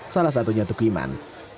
salah satunya tukiman